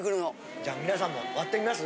じゃあ皆さんも割ってみます？